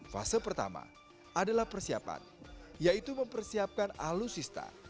fase pertama adalah persiapan yaitu mempersiapkan alusista